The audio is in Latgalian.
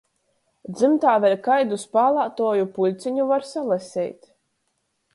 Dzymtā vēļ kaidu spālātuoju puļceņu var salaseit.